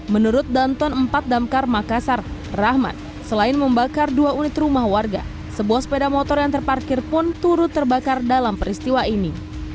menurut danton empat damkar makassar rahmat selain membakar dua unit rumah warga sebuah sepeda motor yang terparkir pun turut terbakar dalam peristiwa ini